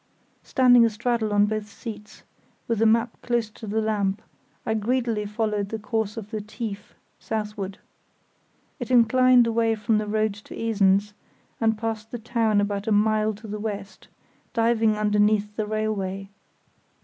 Standing astraddle on both seats, with the map close to the lamp, I greedily followed the course of the "tief" southward. It inclined away from the road to Esens and passed the town about a mile to the west, diving underneath the railway.